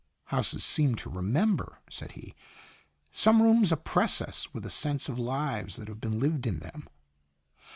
" Houses seem to remember," said he. " Some rooms oppress us with a sense of lives that have been lived in them."